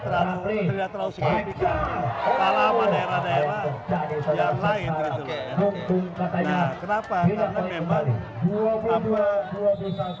terlalu tidak terlalu sempit kalau daerah daerah yang lain kenapa memang